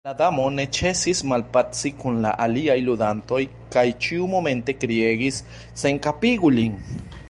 La Damo ne ĉesis malpaci kun la aliaj ludantoj kaj ĉiumomente kriegis "Senkapigu lin."